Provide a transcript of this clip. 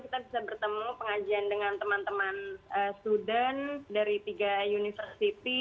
kita bisa bertemu pengajian dengan teman teman student dari tiga university